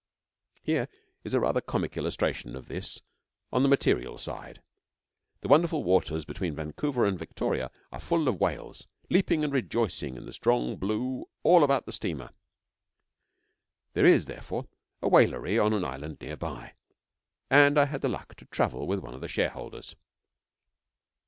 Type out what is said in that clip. Here is a rather comic illustration of this on the material side. The wonderful waters between Vancouver and Victoria are full of whales, leaping and rejoicing in the strong blue all about the steamer. There is, therefore, a whalery on an island near by, and I had the luck to travel with one of the shareholders.